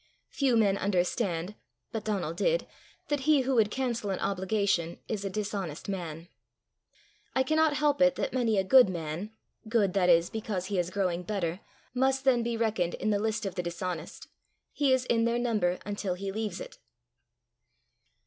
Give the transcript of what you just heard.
Few men understand, but Donal did, that he who would cancel an obligation is a dishonest man. I cannot help it that many a good man good, that is, because he is growing better must then be reckoned in the list of the dishonest: he is in their number until he leaves it.